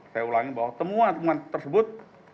saya ulangi bahwa temuan temuan tersebut